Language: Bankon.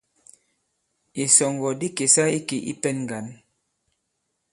Ìsɔ̀ŋgɔ̀ di kèsa ikè i pɛ̄n ŋgǎn.